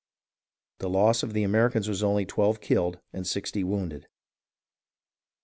The loss of the Americans was only 12 killed and 60 wounded.